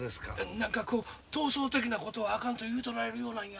何かこう闘争的なことはあかんと言うとられるようなんや。